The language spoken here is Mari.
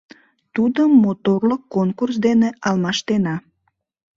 Тудым моторлык конкурс дене алмаштена...